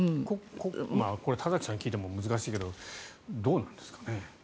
これは田崎さんに聞いても難しいけどどうなんですかね。